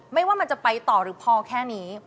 ไม่ว่ามันจะไปต่อหรือพอแค่นี้